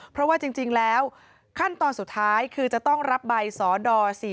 เพราะว่าจริงแล้วขั้นตอนสุดท้ายคือจะต้องรับใบสด๔๔